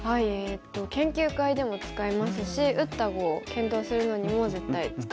研究会でも使いますし打った碁を検討するのにも絶対使いますね。